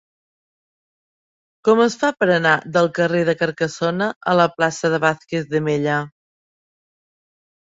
Com es fa per anar del carrer de Carcassona a la plaça de Vázquez de Mella?